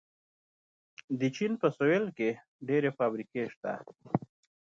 د چین په سویل کې ډېرې فابریکې شته.